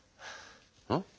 うん？